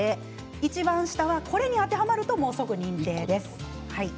いちばん下、これに当てはまると即認定です。